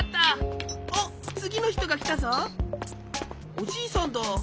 おじいさんだ。